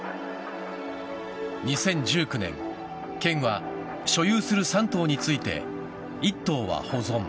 ２０１９年、県は所有する３棟について１棟は保存。